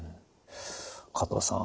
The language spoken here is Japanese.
加藤さん